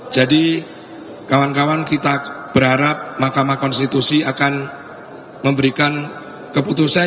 jadi kawan kawan kita berharap mahkamah konstitusi akan memberikan keputusan